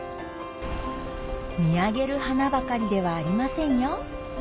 見上げる花ばかりではありませんよ